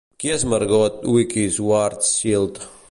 Qui és Margot Wicki-Schwarzschild?